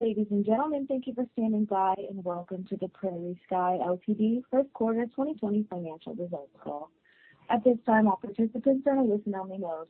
Ladies and gentlemen, thank you for standing by, and welcome to the PrairieSky Royalty Ltd. First Quarter 2020 Financial Results Call. At this time, all participants are in listen only mode.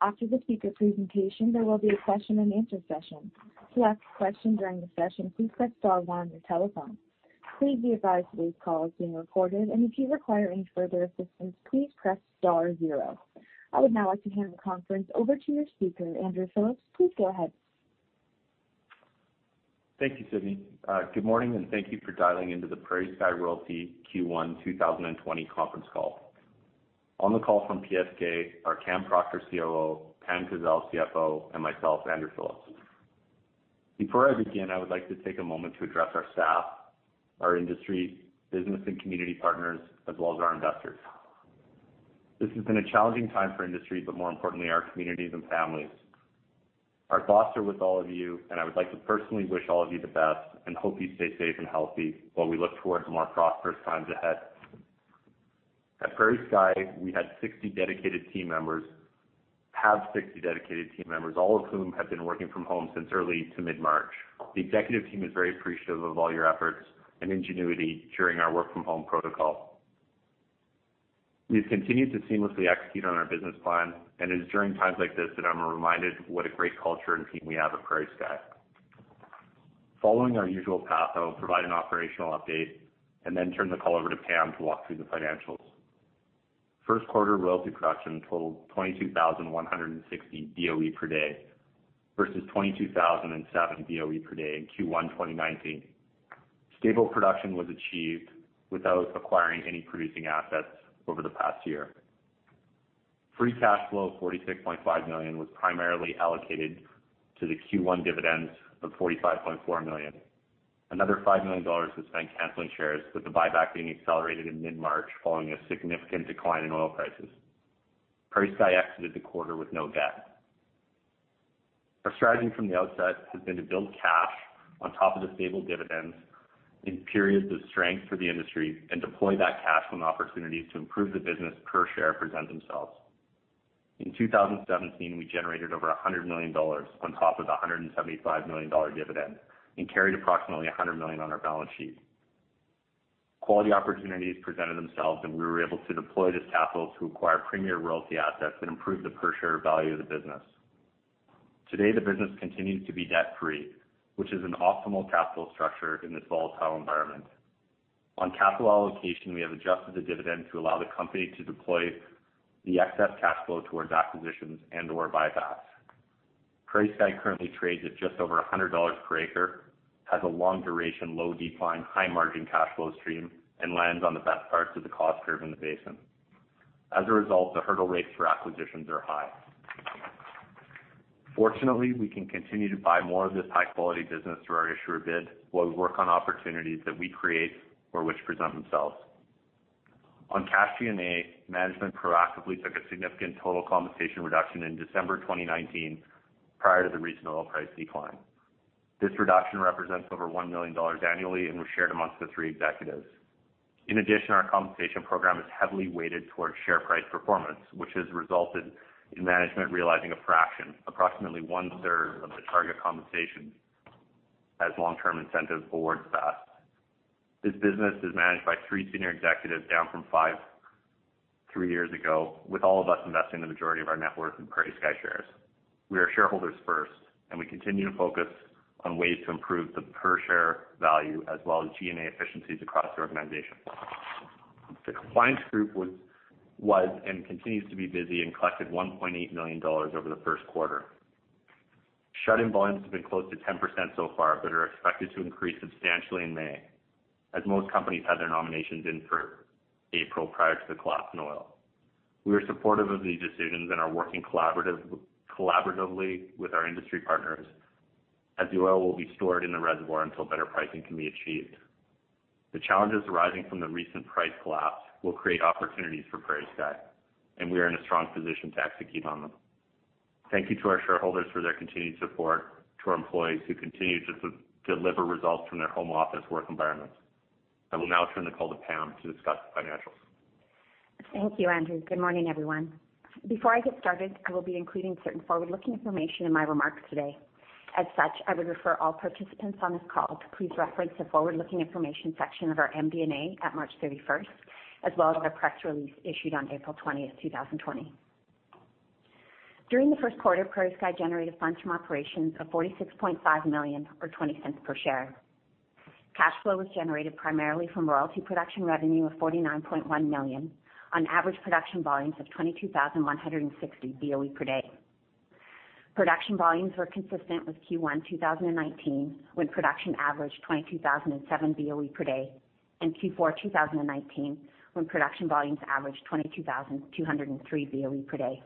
After the speaker presentation, there will be a question and answer session. To ask a question during the session, please press star one on your telephone. Please be advised this call is being recorded, and if you require any further assistance, please press star zero. I would now like to hand the conference over to your speaker, Andrew Phillips. Please go ahead. Thank you, Sydney. Good morning, and thank you for dialing into the PrairieSky Royalty Q1 2020 conference call. On the call from PSK are Cameron Proctor, COO, Pam Kazeil, CFO, and myself, Andrew Phillips. Before I begin, I would like to take a moment to address our staff, our industry, business, and community partners, as well as our investors. This has been a challenging time for industry, but more importantly, our communities and families. Our thoughts are with all of you, and I would like to personally wish all of you the best and hope you stay safe and healthy while we look towards more prosperous times ahead. At PrairieSky, we have 60 dedicated team members, all of whom have been working from home since early to mid-March. The executive team is very appreciative of all your efforts and ingenuity during our work from home protocol. We've continued to seamlessly execute on our business plan, and it is during times like this that I'm reminded what a great culture and team we have at PrairieSky. Following our usual path, I will provide an operational update and then turn the call over to Pam to walk through the financials. First quarter royalty production totaled 22,160 BOE per day versus 22,007 BOE per day in Q1 2019. Stable production was achieved without acquiring any producing assets over the past year. Free cash flow of 46.5 million was primarily allocated to the Q1 dividends of 45.4 million. Another 5 million dollars was spent canceling shares, with the buyback being accelerated in mid-March following a significant decline in oil prices. PrairieSky exited the quarter with no debt. Our strategy from the outset has been to build cash on top of the stable dividends in periods of strength for the industry and deploy that cash when opportunities to improve the business per share present themselves. In 2017, we generated over 100 million dollars on top of the 175 million dollar dividend and carried approximately 100 million on our balance sheet. Quality opportunities presented themselves, and we were able to deploy this capital to acquire premier royalty assets that improved the per share value of the business. Today, the business continues to be debt free, which is an optimal capital structure in this volatile environment. On capital allocation, we have adjusted the dividend to allow the company to deploy the excess cash flow towards acquisitions and/or buybacks. PrairieSky currently trades at just over 100 dollars per acre, has a long duration, low decline, high margin cash flow stream, and lands on the best parts of the cost curve in the basin. As a result, the hurdle rates for acquisitions are high. Fortunately, we can continue to buy more of this high-quality business through our issuer bid, while we work on opportunities that we create or which present themselves. On cash G&A, management proactively took a significant total compensation reduction in December 2019, prior to the recent oil price decline. This reduction represents over 1 million dollars annually and was shared amongst the three executives. In addition, our compensation program is heavily weighted towards share price performance, which has resulted in management realizing a fraction, approximately one-third of the target compensation as long-term incentive awards vests. This business is managed by three senior executives, down from five, three years ago, with all of us investing the majority of our net worth in PrairieSky shares. We are shareholders first, and we continue to focus on ways to improve the per share value as well as G&A efficiencies across the organization. The compliance group was and continues to be busy and collected 1.8 million dollars over the first quarter. Shut-in volumes have been close to 10% so far but are expected to increase substantially in May, as most companies had their nominations in for April prior to the collapse in oil. We are supportive of these decisions and are working collaboratively with our industry partners, as the oil will be stored in the reservoir until better pricing can be achieved. The challenges arising from the recent price collapse will create opportunities for PrairieSky, and we are in a strong position to execute on them. Thank you to our shareholders for their continued support, to our employees who continue to deliver results from their home office work environments. I will now turn the call to Pam to discuss financials. Thank you, Andrew. Good morning, everyone. Before I get started, I will be including certain forward-looking information in my remarks today. I would refer all participants on this call to please reference the forward-looking information section of our MD&A at March 31st, as well as our press release issued on April 20th, 2020. During the first quarter, PrairieSky generated funds from operations of 46.5 million, or 0.20 per share. Cash flow was generated primarily from royalty production revenue of 49.1 million on average production volumes of 22,160 Boe per day. Production volumes were consistent with Q1 2019, when production averaged 22,007 Boe per day, and Q4 2019, when production volumes averaged 22,203 Boe per day.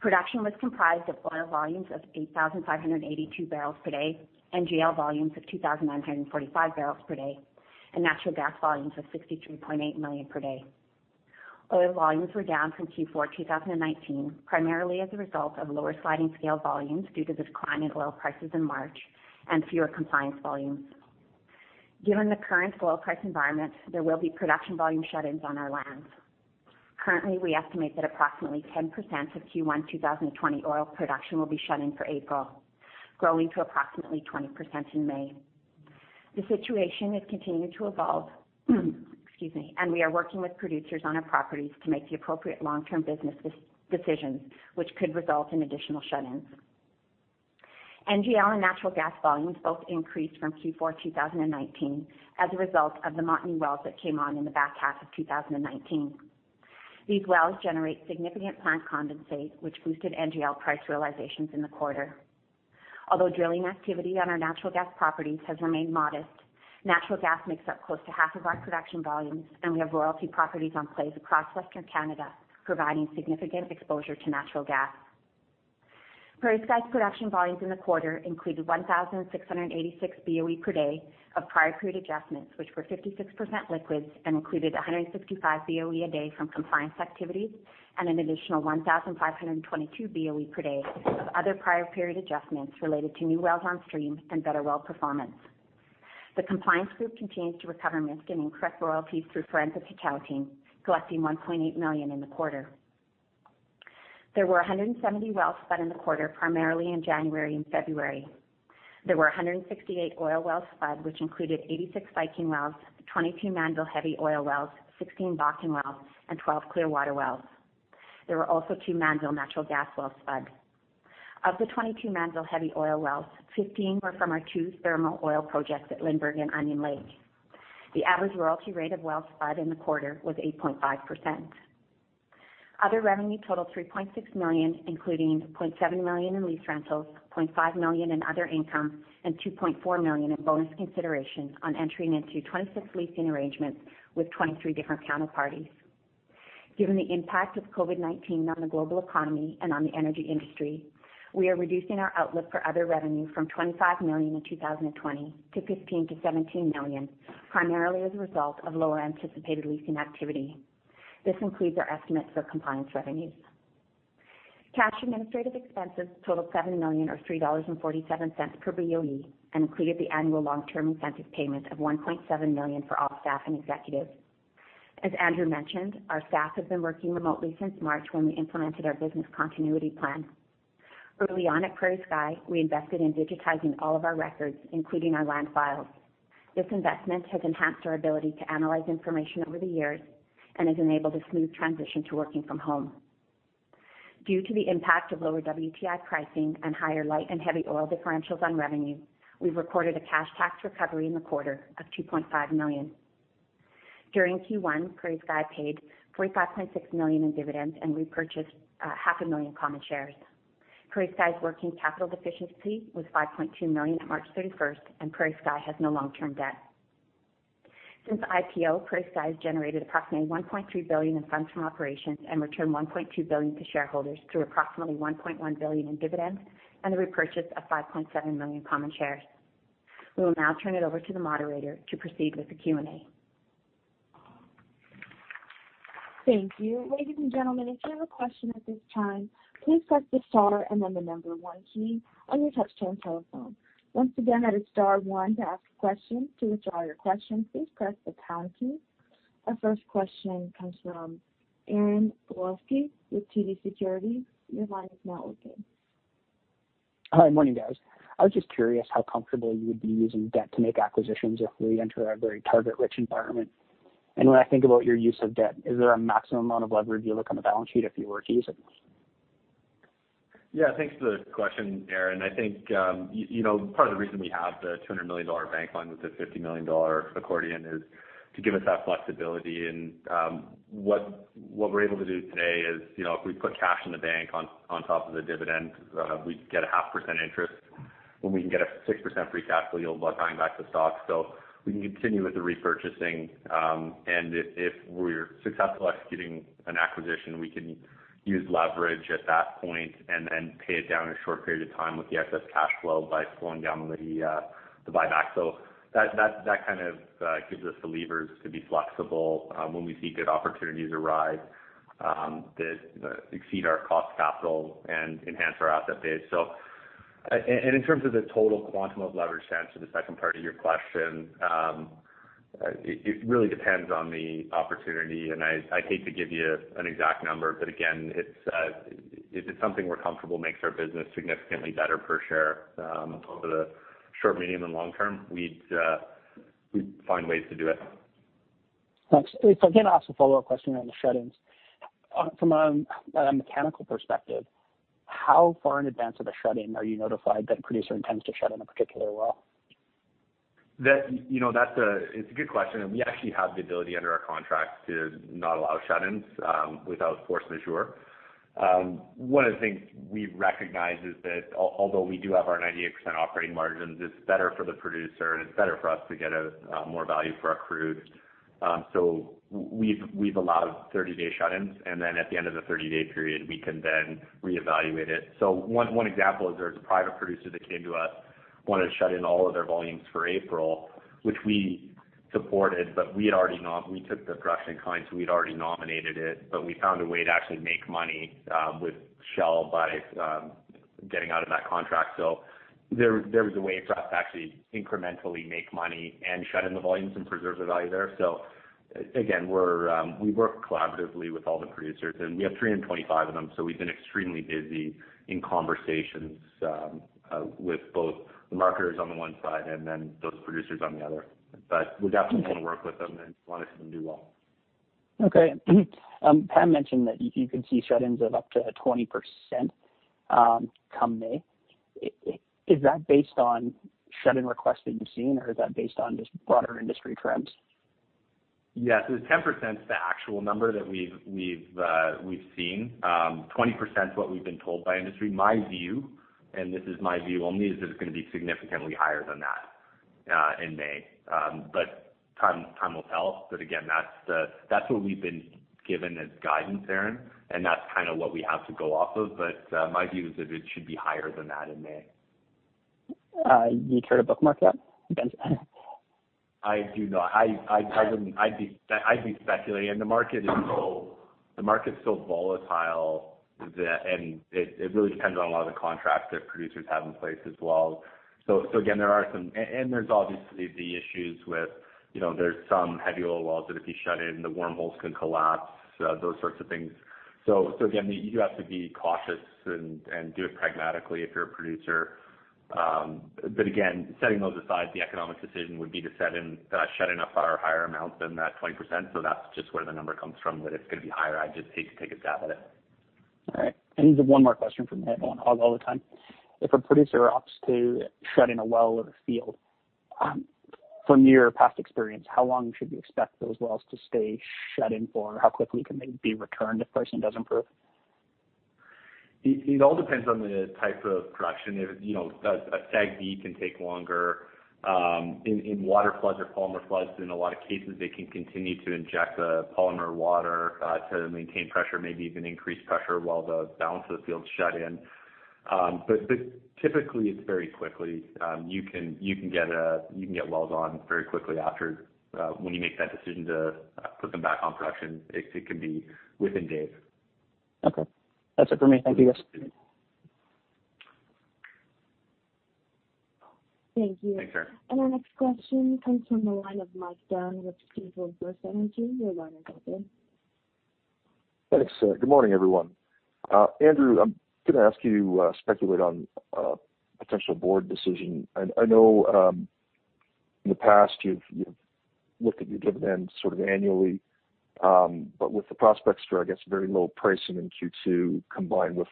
Production was comprised of oil volumes of 8,582 barrels per day, NGL volumes of 2,945 barrels per day, and natural gas volumes of 63.8 million per day. Oil volumes were down from Q4 2019, primarily as a result of lower sliding scale volumes due to the decline in oil prices in March and fewer compliance volumes. Given the current oil price environment, there will be production volume shut-ins on our lands. Currently, we estimate that approximately 10% of Q1 2020 oil production will be shut in for April, growing to approximately 20% in May. The situation is continuing to evolve, and we are working with producers on our properties to make the appropriate long-term business decisions, which could result in additional shut-ins. NGL and natural gas volumes both increased from Q4 2019 as a result of the Montney wells that came on in the back half of 2019. These wells generate significant plant condensate, which boosted NGL price realizations in the quarter. Although drilling activity on our natural gas properties has remained modest, natural gas makes up close to half of our production volumes, and we have royalty properties on plays across Western Canada, providing significant exposure to natural gas. PrairieSky's production volumes in the quarter included 1,686 BOE per day of prior period adjustments, which were 56% liquids and included 165 BOE a day from compliance activities and an additional 1,522 BOE per day of other prior period adjustments related to new wells on stream and better well performance. The compliance group continues to recover missed and incorrect royalties through forensic accounting, collecting 1.8 million in the quarter. There were 170 wells spudded in the quarter, primarily in January and February. There were 168 oil wells spudded, which included 86 Viking wells, 22 Mannville heavy oil wells, 16 Bakken wells, and 12 Clearwater wells. There were also two Mannville natural gas wells spudded. Of the 22 Mannville heavy oil wells, 15 were from our two thermal oil projects at Lindbergh and Onion Lake. The average royalty rate of wells spudded in the quarter was 8.5%. Other revenue totaled 3.6 million, including 0.7 million in lease rentals, 0.5 million in other income, and 2.4 million in bonus consideration on entering into 26 leasing arrangements with 23 different counterparties. Given the impact of COVID-19 on the global economy and on the energy industry, we are reducing our outlook for other revenue from 25 million in 2020 to 15 million-17 million, primarily as a result of lower anticipated leasing activity. This includes our estimates for compliance revenues. Cash administrative expenses totaled 7 million or 3.47 dollars per BOE and included the annual long-term incentive payment of 1.7 million for all staff and executives. As Andrew mentioned, our staff have been working remotely since March when we implemented our business continuity plan. Early on at PrairieSky, we invested in digitizing all of our records, including our land files. This investment has enhanced our ability to analyze information over the years and has enabled a smooth transition to working from home. Due to the impact of lower WTI pricing and higher light and heavy oil differentials on revenue, we've recorded a cash tax recovery in the quarter of 2.5 million. During Q1, PrairieSky paid 45.6 million in dividends and repurchased 500,000 common shares. PrairieSky's working capital deficiency was 5.2 million at March 31st, and PrairieSky has no long-term debt. Since IPO, PrairieSky has generated approximately 1.3 billion in funds from operations and returned 1.2 billion to shareholders through approximately 1.1 billion in dividends and the repurchase of 5.7 million common shares. We will now turn it over to the moderator to proceed with the Q&A. Thank you. Ladies and gentlemen, if you have a question at this time, please press the star and then the one key on your touchtone telephone. Once again, that is star 1 to ask a question. To withdraw your question, please press the pound key. Our first question comes from Aaron Bilkoski with TD Securities. Your line is now open. Hi. Morning, guys. I was just curious how comfortable you would be using debt to make acquisitions if we enter a very target-rich environment. When I think about your use of debt, is there a maximum amount of leverage you look on the balance sheet if you were to use it? Yeah, thanks for the question, Aaron. I think part of the reason we have the 200 million dollar bank line with the 50 million dollar accordion is to give us that flexibility, and what we're able to do today is, if we put cash in the bank on top of the dividend, we'd get a half percent interest when we can get a 6% free capital yield by buying back the stock. We can continue with the repurchasing, and if we're successful executing an acquisition, we can use leverage at that point and pay it down in a short period of time with the excess cash flow by slowing down the buyback. That kind of gives us the levers to be flexible when we see good opportunities arise that exceed our cost capital and enhance our asset base. In terms of the total quantum of leverage, to answer the second part of your question, it really depends on the opportunity, and I hate to give you an exact number, but again, if it's something we're comfortable makes our business significantly better per share over the short, medium, and long term, we'd find ways to do it. Thanks. If I can ask a follow-up question on the shut-ins. From a mechanical perspective, how far in advance of a shut-in are you notified that a producer intends to shut in a particular well? It's a good question, and we actually have the ability under our contract to not allow shut-ins without force majeure. One of the things we recognize is that although we do have our 98% operating margins, it's better for the producer, and it's better for us to get more value for our crude. We've allowed 30-day shut-ins, and then at the end of the 30-day period, we can then reevaluate it. One example is there's a private producer that came to us, wanted to shut in all of their volumes for April, which we supported, but we took their production clients, so we'd already nominated it, but we found a way to actually make money with Shell by getting out of that contract. There was a way for us to actually incrementally make money and shut in the volumes and preserve the value there. Again, we work collaboratively with all the producers, and we have 325 of them. We've been extremely busy in conversations with both the marketers on the one side and then those producers on the other. We definitely want to work with them and want to see them do well. Okay. Pam mentioned that you can see shut-ins of up to 20% come May. Is that based on shut-in requests that you've seen, or is that based on just broader industry trends? Yes. 10%'s the actual number that we've seen. 20% is what we've been told by industry. My view, and this is my view only, is that it's gonna be significantly higher than that in May. Time will tell. Again, that's what we've been given as guidance, Aaron Bilkoski, and that's kind of what we have to go off of. My view is that it should be higher than that in May. You care to bookmark that, Ben? I do not. Okay. I'd be speculating. The market's so volatile that, and it really depends on a lot of the contracts that producers have in place as well. Again, there are some, and there's obviously the issues with there's some heavy oil wells that if you shut in, the worm holes can collapse, those sorts of things. Again, you have to be cautious and do it pragmatically if you're a producer. But again, setting those aside, the economic decision would be to shut in a far higher amount than that 20%. That's just where the number comes from, that it's gonna be higher. I'd just hate to take a stab at it. All right. I just have one more question for you, on all the time. If a producer opts to shut in a well or a field, from your past experience, how long should we expect those wells to stay shut in for? How quickly can they be returned if pricing doesn't improve? It all depends on the type of production. A SAGD can take longer. In water floods or polymer floods, in a lot of cases, they can continue to inject the polymer water to maintain pressure, maybe even increase pressure while the balance of the field's shut in. Typically, it's very quickly. You can get wells on very quickly after, when you make that decision to put them back on production. It can be within days. Okay. That's it for me. Thank you, guys. Thanks, Aaron. Thank you. Our next question comes from the line of Michael Murphy with Stifel Nicolaus. Your line is open. Thanks. Good morning, everyone. Andrew, I'm gonna ask you to speculate on a potential board decision. I know, in the past, you've looked at your dividend sort of annually. With the prospects for, I guess, very low pricing in Q2 combined with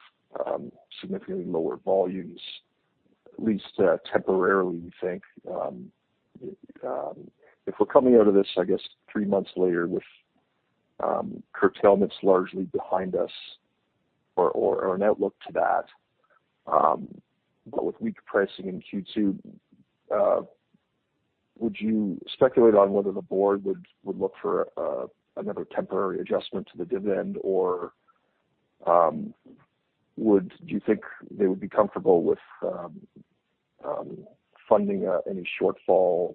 significantly lower volumes, at least temporarily, we think. If we're coming out of this, I guess, three months later with curtailments largely behind us or an outlook to that. With weak pricing in Q2, would you speculate on whether the board would look for another temporary adjustment to the dividend, or do you think they would be comfortable with funding any shortfall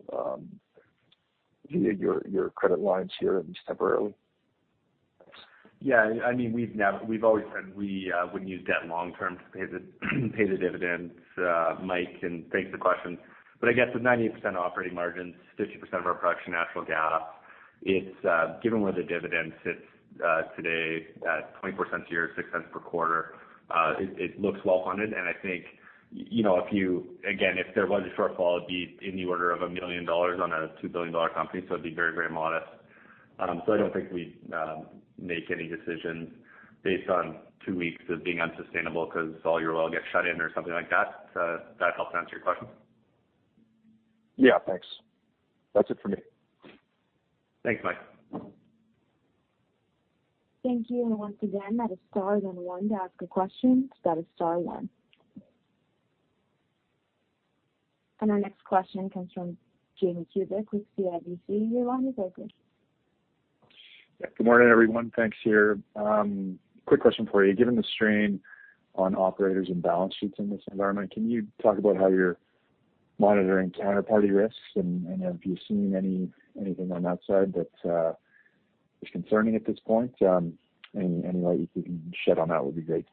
via your credit lines here, at least temporarily? We've always said we wouldn't use debt long term to pay the dividends. Mike, and thanks for the question. I guess with 90% operating margins, 50% of our production natural gas, given where the dividend sits today at 0.24 a year, 0.06 per quarter, it looks well-funded. I think, again, if there was a shortfall, it'd be in the order of 1 million dollars on a 2 billion dollar company, so it'd be very modest. I don't think we'd make any decisions based on two weeks of being unsustainable because all your oil gets shut in or something like that. Does that help to answer your question? Yeah. Thanks. That's it for me. Thanks, Mike. Thank you. Once again, that is star then one to ask a question. That is star one. Our next question comes from Jamie Kubik with CIBC. Your line is open. Good morning, everyone. Thanks. Quick question for you. Given the strain on operators and balance sheets in this environment, can you talk about how you're monitoring counterparty risks, and have you seen anything on that side that is concerning at this point? Any light you can shed on that would be great.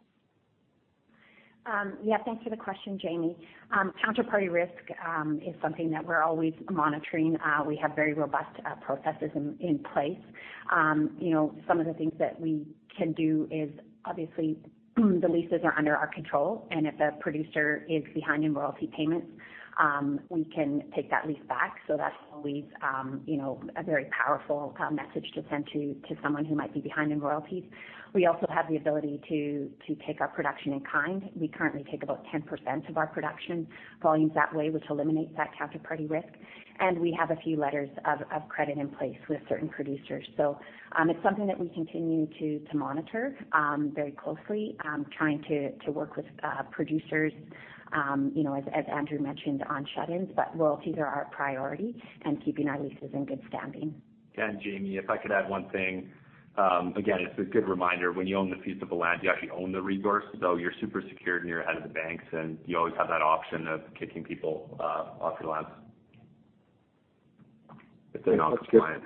Thanks for the question, Jamie Kubik. Counterparty risk is something that we're always monitoring. We have very robust processes in place. Some of the things that we can do is, obviously, the leases are under our control, and if a producer is behind in royalty payments, we can take that lease back. That's always a very powerful message to send to someone who might be behind in royalties. We also have the ability to take our production in kind. We currently take about 10% of our production volumes that way, which eliminates that counterparty risk. We have a few letters of credit in place with certain producers. It's something that we continue to monitor very closely, trying to work with producers, as Andrew mentioned, on shut-ins. Royalties are our priority and keeping our leases in good standing. Jamie, if I could add one thing. Again, it's a good reminder. When you own the fee simple land, you actually own the resource, so you're super secured, and you're ahead of the banks, and you always have that option of kicking people off your lands. That's good. If they're non-compliant,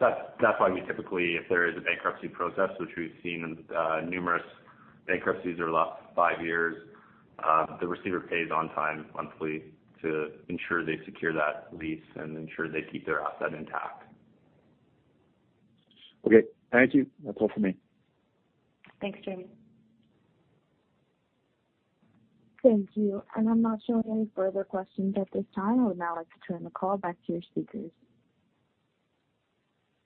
that's why we typically, if there is a bankruptcy process, which we've seen numerous bankruptcies over the last five years, the receiver pays on time monthly to ensure they secure that lease and ensure they keep their asset intact. Okay. Thank you. That's all for me. Thanks, Jamie. Thank you. I'm not showing any further questions at this time. I would now like to turn the call back to your speakers.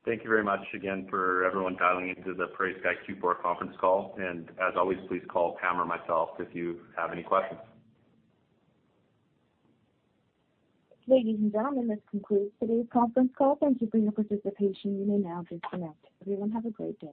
Thank you very much again for everyone dialing into the PrairieSky Q4 conference call. As always, please call Pam or myself if you have any questions. Ladies and gentlemen, this concludes today's conference call. Thank you for your participation. You may now disconnect. Everyone, have a great day.